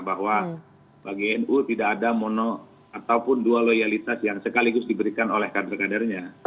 bahwa bagi nu tidak ada mono ataupun dua loyalitas yang sekaligus diberikan oleh kader kadernya